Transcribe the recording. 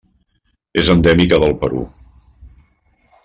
És endèmica del Perú.